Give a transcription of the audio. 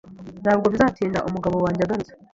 Ntabwo bizatinda umugabo wanjye agarutse